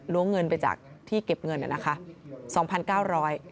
ล้วงเงินไปจากที่เก็บเงินนะคะ๒๙๐๐บาท